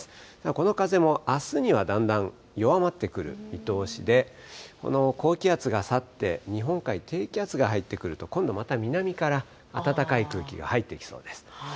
この風もあすにはだんだん弱まってくる見通しで、この高気圧が去って、日本海、低気圧が入ってくると、今度また南から暖かい空気が入ってきそうです。